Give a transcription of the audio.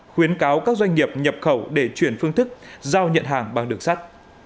khuyến cáo các doanh nghiệp nhập khẩu để chuyển phương thức giao nhận hàng bằng đường sắt